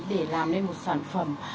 để làm nên một sản phẩm